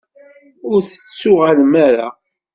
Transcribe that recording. Ur d-tettuɣalem ara.